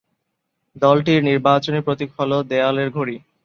দলটির নির্বাচনী প্রতীক হল দেওয়াল ঘড়ি।